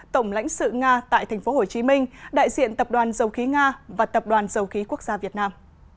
tổng lãnh sự nga tại tp hcm đại diện tập đoàn dầu khí nga và tập đoàn dầu khí quốc gia việt nam